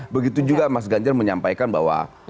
begitu juga mas ganjar menyampaikan bahwa